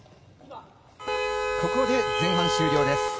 ここで前半終了です。